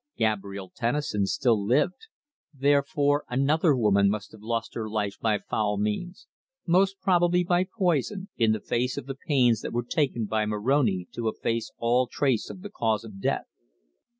Gabrielle Tennison still lived; therefore another woman must have lost her life by foul means most probably by poison in face of the pains that were taken by Moroni to efface all trace of the cause of death.